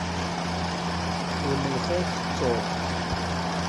Xdem lxir tettuḍ-t.